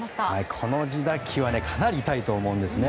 この自打球はかなり痛いと思うんですね。